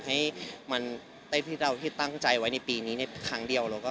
ให้ที่เราที่ตั้งใจไว้ในปีนี้ทางเดียว